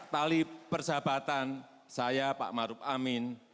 tali persahabatan saya pak maruf amin